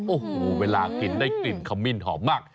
โอ้โหเวลากลิ่นได้กลิ่นขมิ้นหอมมาก